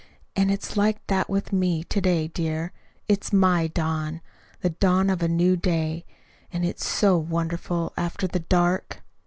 And it's like that with me to day, dear. It's my dawn the dawn of a new day. And it's so wonderful after the dark!"